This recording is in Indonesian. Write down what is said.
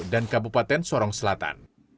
dan kabupaten sorong selatan